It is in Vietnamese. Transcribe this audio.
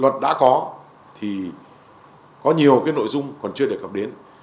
luật đã có thì có nhiều cái nội dung còn chưa đề cập đến